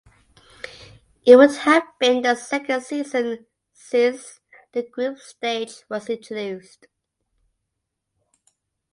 It would have been the second season since the group stage was introduced.